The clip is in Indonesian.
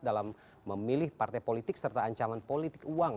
dalam memilih partai politik serta ancaman politik uang